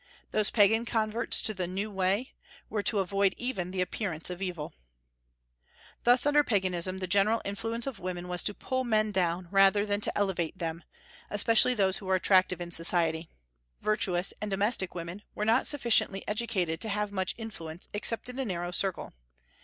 Those Pagan converts to the "New Way" were to avoid even the appearance of evil. Thus under Paganism the general influence of women was to pull men down rather than to elevate them, especially those who were attractive in society. Virtuous and domestic women were not sufficiently educated to have much influence except in a narrow circle.